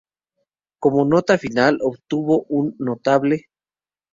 Como nota final, obtuvo un notable.